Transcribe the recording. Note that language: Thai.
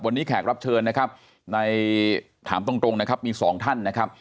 วันนี้แขกรับเชิญนะครับในถามตรงนะครับมีสองท่านนะครับ